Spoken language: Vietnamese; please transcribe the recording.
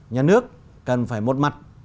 nhà nước cần phải một mặt